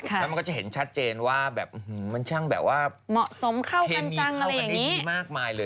แล้วมันก็จะเห็นชัดเจนว่าแบบมันช่างแบบว่าเหมาะสมเข้าเคมีเข้ากันได้ดีมากมายเลย